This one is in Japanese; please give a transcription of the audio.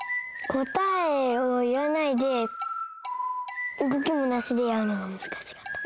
こたえをいわないでうごきもなしでやるのがむずかしかった。